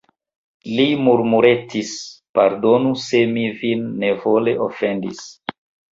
Li murmuretis: pardonu, se mi vin nevole ofendis.